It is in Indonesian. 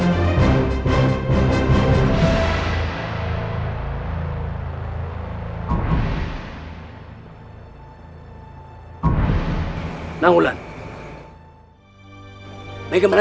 tidak ada yang bisa dikawal